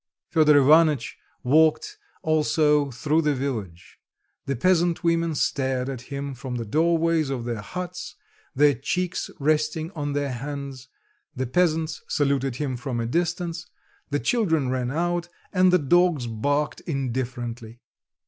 Fedor Ivanitch walked also through the village; the peasant women stared at him from the doorways of their huts, their cheeks resting on their hands; the peasants saluted him from a distance, the children ran out, and the dogs barked indifferently.